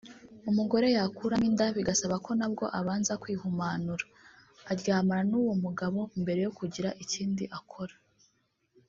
umugore yakuramo inda bigasaba ko nabwo abanza “kwihumanura” aryamana n’uwo mugabo mbere yo kugira ikindi akora